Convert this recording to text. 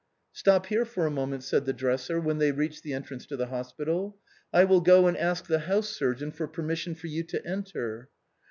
" Stop here for a moment," said the dresser, when they reached the entrance to the hospital, " I wnll go and ask the house surgeon for permission for you to enter."